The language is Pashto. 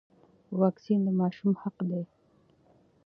واکسین د ماشوم حق دی.